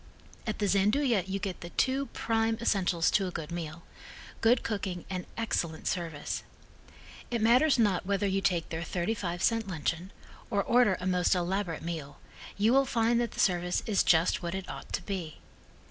At the Gianduja you get the two prime essentials to a good meal good cooking and excellent service. It matters not whether you take their thirty five cent luncheon or order a most elaborate meal, you will find that the service is just what it ought to be.